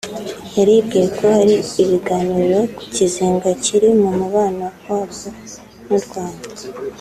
yaribwiye ko hari ibiganiro ku kizinga kiri mu mubano wabwo n’u Rwanda